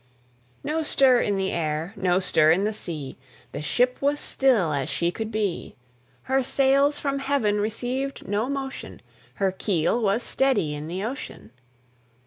(1774 1843.) No stir in the air, no stir in the sea, The ship was still as she could be; Her sails from heaven received no motion; Her keel was steady in the ocean.